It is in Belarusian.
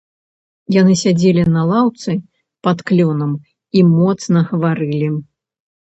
Яны сядзелі на лаўцы пад клёнам і моцна гаварылі.